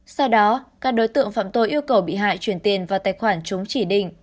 sau đó các đối tượng phạm tội yêu cầu bị hại truyền tiền vào tài khoản chống chỉ định